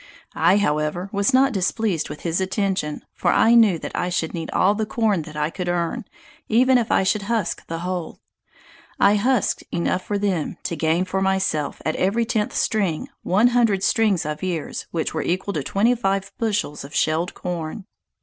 I, however, was not displeased with his attention; for I knew that I should need all the corn that I could earn, even if I should husk the whole. I husked enough for them, to gain for myself, at every tenth string, one hundred strings of ears, which were equal to twenty five bushels of shelled corn.